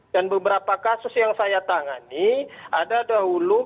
dan beberapa kasus yang saya tangani ada dahulu kasus